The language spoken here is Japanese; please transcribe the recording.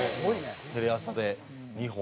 テレ朝で２本。